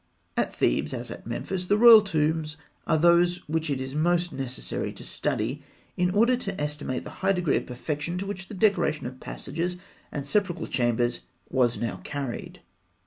At Thebes, as at Memphis, the royal tombs are those which it is most necessary to study, in order to estimate the high degree of perfection to which the decoration of passages and sepulchral chambers was now carried.